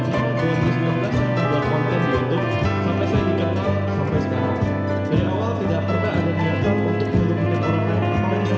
niat untuk menunjukkan orang lain dari suatu menikmati karena orang tua saya tidak pernah